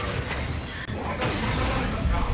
［森さんまだいますか？］